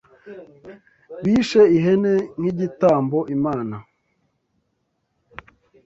Bishe ihene nk'igitambo Imana